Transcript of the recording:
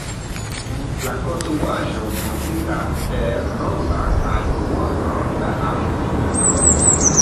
La konstruaĵo konsistas el navo kaj duonronda absido.